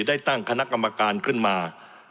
ได้ตั้งคณะกรรมการขึ้นมา